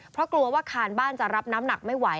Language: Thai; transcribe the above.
เพราะกลัวว่าคานบ้านจะรับน้ำหนักไม่ไหว